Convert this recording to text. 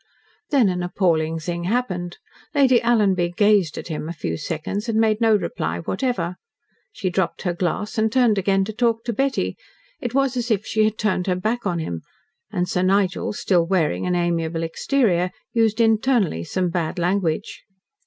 Then an appalling thing happened. Lady Alanby gazed at him a few seconds, and made no reply whatever. She dropped her glass, and turned again to talk to Betty. It was as if she had turned her back on him, and Sir Nigel, still wearing an amiable exterior, used internally some bad language.